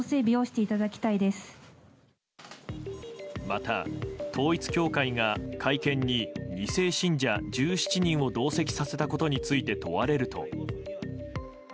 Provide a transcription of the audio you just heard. また、統一教会が会見に２世信者１７人を同席させたことについて問われると。